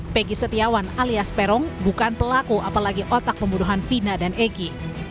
pegi setiawan alias peron bukan pelaku apalagi otak pembunuhan vina dan egy